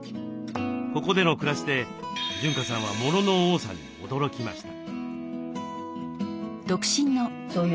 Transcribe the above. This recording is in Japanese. ここでの暮らしで潤香さんはモノの多さに驚きました。